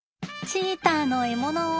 チーターの獲物を。